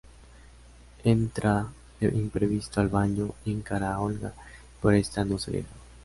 Entra de imprevisto al baño y encara a Olga, pero esta no se deja.